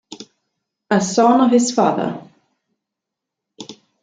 A Son of His Father